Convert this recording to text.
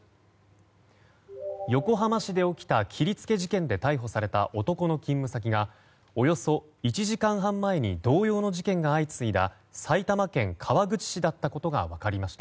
横浜市で起きた切り付け事件で逮捕された男の勤務先がおよそ１時間半前に同様の事件が相次いだ埼玉県川口市だったことが分かりました。